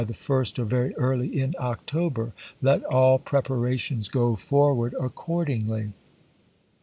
the first or very early in October. Let all prepara '' 171.' ^' tions go forward accordingly."